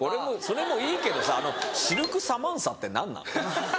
それもいいけどさあの「シルクサマンサ」って何なの？